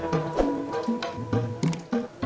ketika bang edi di departemen agus